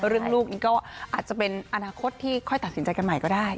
เรื่องลูกนี้ก็อาจจะเป็นอนาคตที่ค่อยตัดสินใจกันใหม่ก็ได้